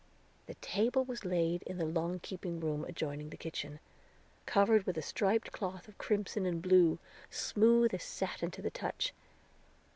The table was laid in the long keeping room adjoining the kitchen, covered with a striped cloth of crimson and blue, smooth as satin to the touch.